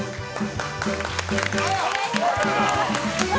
お願いします！